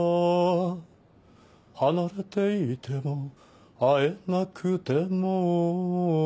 「離れていても会えなくても」